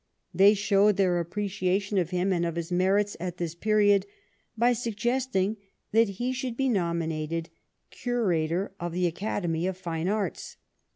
They showed their appreciation of him and of his merits at this period by suggesting that he should be nominated Curator of the Academy of Fine Arts.